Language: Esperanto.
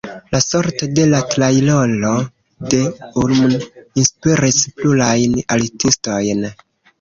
La sorto de la "tajloro de Ulm" inspiris plurajn artistojn.